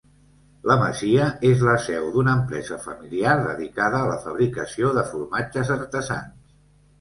La masia és la seu d'una empresa familiar dedicada a la fabricació de formatges artesans.